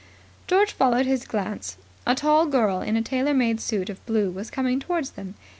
George followed his glance. A tall girl in a tailor made suit of blue was coming towards them.